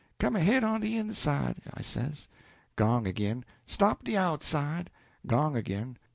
'Come ahead on de inside,' I says. Gong ag'in. 'Stop de outside.' Gong ag'in.